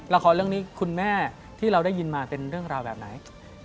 ละครเรื่องนี้คุณแม่ที่เราได้ยินมาเป็นเรื่องราวแบบไหน